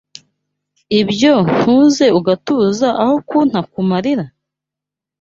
Ibyo ntunze ugatuza Aho kunta mu malira!